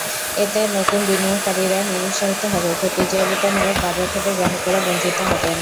এতে নতুন বিনিয়োগকারীরা নিরুৎসাহিত হবে, প্রতিযোগিতামূলক বাজার থেকে গ্রাহকেরা বঞ্চিত হবেন।